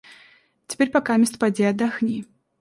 Теперь покамест поди отдохни».